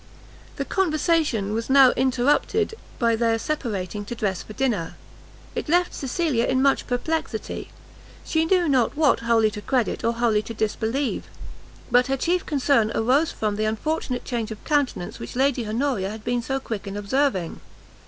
The conversation was now interrupted by their separating to dress for dinner. It left Cecilia in much perplexity; she knew not what wholly to credit, or wholly to disbelieve; but her chief concern arose from the unfortunate change of countenance which Lady Honoria had been so quick in observing.